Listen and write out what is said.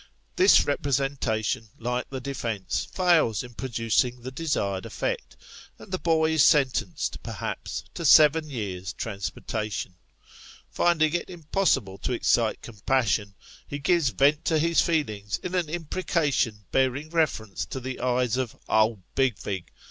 This representation, like the defence, fails in producing the desired effect, and the boy is sentenced, perhaps, to seven years' transportation. Finding it impossible to excite compassion, he gives vent to his feelings in an imprecation bearing reference to the eyes of " old big vig!"